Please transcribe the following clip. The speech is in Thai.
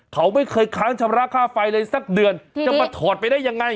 เขาไม่เคยค้างชำระค่าไฟเลยสักเดือนจะมาถอดไปได้ยังไง